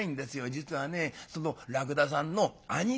実はねそのらくださんの兄貴